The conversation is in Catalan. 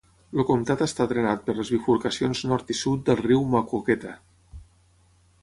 El comtat està drenat per les bifurcacions nord i sud del riu Maquoketa.